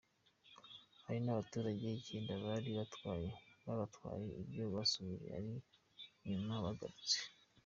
Hari n’abaturage icyenda bari batwaye babatwaje ibyo basahuye ariko nyuma bagarutse.